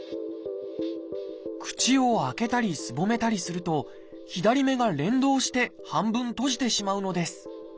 口を開けたりすぼめたりすると左目が連動して半分閉じてしまうのです。